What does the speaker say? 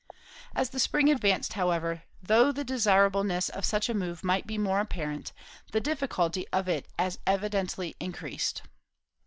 As the spring advanced however, though the desirableness of such a move might be more apparent, the difficulty of it as evidently increased.